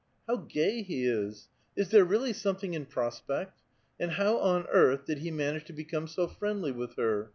(" How gay he is ! Is there really something in prospect? And how on earth did he manage to become so friendly with her